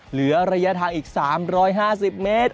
เหลือระยะทางอีก๓๕๐เมตร